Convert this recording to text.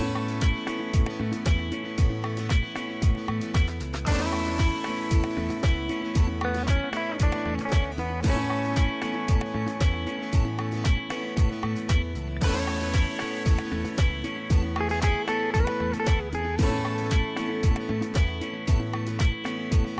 โปรดติดตามตอนต่อไป